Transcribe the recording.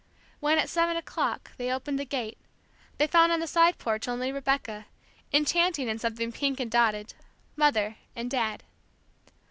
When, at seven o'clock, they opened the gate, they found on the side porch only Rebecca, enchanting in something pink and dotted, Mother, and Dad.